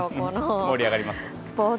盛り上がりますよね。